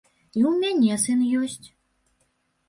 І ў мяне сын ёсць.